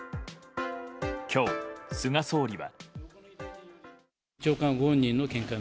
今日、菅総理は。